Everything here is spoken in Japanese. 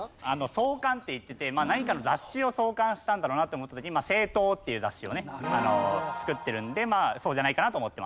「創刊」って言ってて何かの雑誌を創刊したんだろうなと思った時に『青鞜』っていう雑誌をね作ってるんでそうじゃないかなと思ってました。